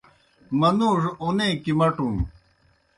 منُوڙوْ اوْنےکِمٹوْن/کِمَٹُن